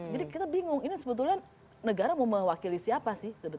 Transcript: jadi kita bingung ini sebetulnya negara mau mewakili siapa